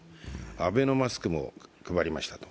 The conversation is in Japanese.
アベノマスクも配りましたと。